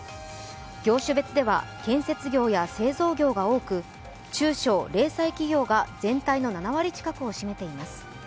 業種別では建設業や製造業が多く中小・零細企業が全体の７割近くを占めています。